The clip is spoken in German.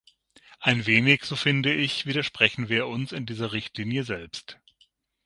Ein wenig, so finde ich, widersprechen wir uns in dieser Richtlinie selbst.